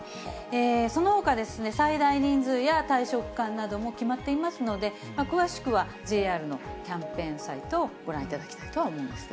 そのほか、最大人数や対象区間なども決まっていますので、詳しくはＪＲのキャンペーンサイトをご覧いただきたいとは思いま